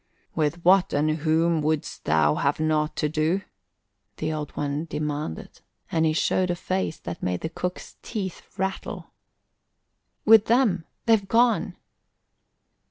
"With what and whom would'st thou have nought to do?" the Old One demanded, and he showed a face that made the cook's teeth rattle. "With them they've gone."